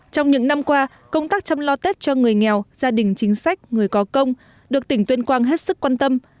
trong những năm qua công tác chăm lo tết cho người nghèo gia đình chính sách người có công được tỉnh tuyên quang hết sức quan tâm